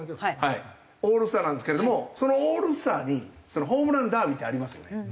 オールスターなんですけれどもそのオールスターにホームランダービーってありますよね。